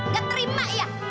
gak terima ya